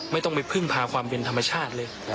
ไม่ต้องไปพึ่งพาความเป็นธรรมชาติเลย